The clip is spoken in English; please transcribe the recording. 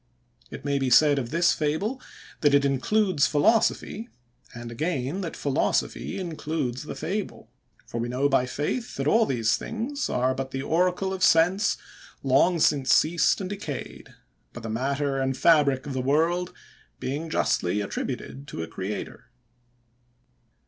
It may be said of this fable, that it includes philosophy; and again, that philosophy includes the fable; for we know, by faith, that all these things are but the oracle of sense, long since ceased and decayed; but the matter and fabric of the world being justly attributed to a creator.